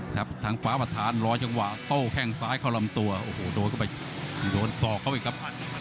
ทางฟ้าประธานรอจังหวะโต้แข้งซ้ายเข้าลำตัวโอ้โหโดนเข้าไปโดนศอกเข้าไปครับ